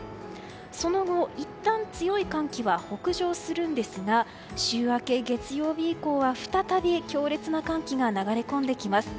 その後、いったん強い寒気は北上するんですが週明け月曜日以降は再び強烈な寒気が流れ込んできます。